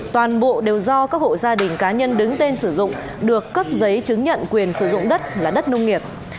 toàn bộ đều do các hộ gia đình cá nhân đứng tên sử dụng được cấp giấy chứng nhận quyền sử dụng đất là đất nông nghiệp